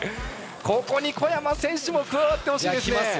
ここに小山選手も加わってほしい。